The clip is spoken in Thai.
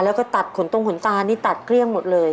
แล้วก็ตัดขนตรงขนตานี่ตัดเกลี้ยงหมดเลย